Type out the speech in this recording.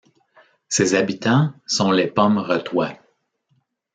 Ses habitants sont les pommeretois.